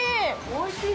おいしい？